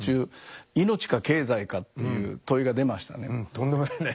とんでもないね。